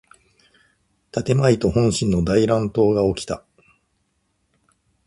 建前と本心の大乱闘がおきた。